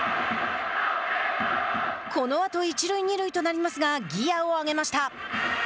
このあと一塁二塁となりますがギアを上げました。